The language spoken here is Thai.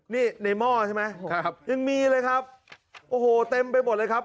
นี่ในหม้อใช่ไหมครับยังมีเลยครับโอ้โหเต็มไปหมดเลยครับ